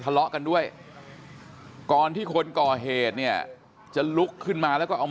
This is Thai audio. ทะเลาะกันด้วยก่อนที่คนก่อเหตุเนี่ยจะลุกขึ้นมาแล้วก็เอามา